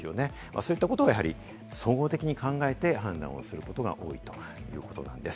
そういったことを総合的に考えて判断をすることが多いということです。